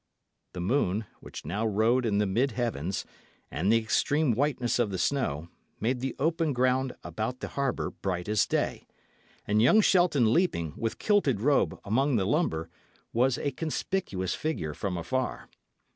The moon, which now rode in the mid heavens, and the extreme whiteness of the snow, made the open ground about the harbour bright as day; and young Shelton leaping, with kilted robe, among the lumber, was a conspicuous figure from afar.